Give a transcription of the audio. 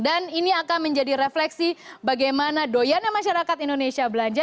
dan ini akan menjadi refleksi bagaimana doyana masyarakat indonesia